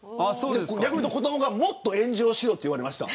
逆に子どもにもっと炎上しろと言われました。